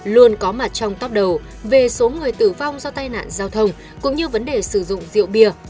luôn có mặt trong tóc đầu về số người tử vong do tai nạn giao thông cũng như vấn đề sử dụng rượu bia